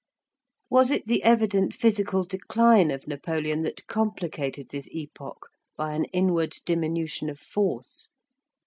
Was it the evident physical decline of Napoleon that complicated this epoch by an inward diminution of force?